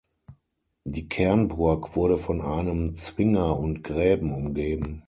Die Kernburg wurde von einem Zwinger und Gräben umgeben.